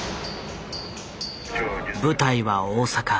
舞台は大阪。